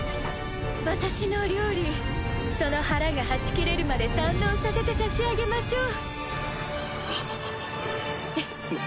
私の料理その腹がはち切れるまで堪能させてさしあげましょう。